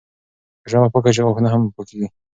که ژامه پاکه شي، غاښونه هم پاکېږي.